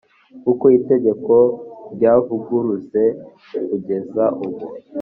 uko itegeko ryavuguruze kugeza ubu